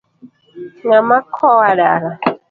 Ngama kowa dala ?